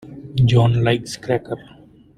John likes checkers.